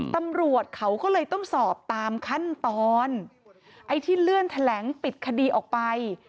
ตำรวจเขาก็เลยต้องสอบตามขั้นตอนไอ้ที่เลื่อนแถลงปิดคดีออกไป